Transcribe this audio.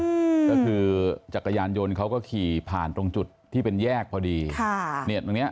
อืมก็คือจักรยานยนต์เขาก็ขี่ผ่านตรงจุดที่เป็นแยกพอดีค่ะเนี้ยตรงเนี้ย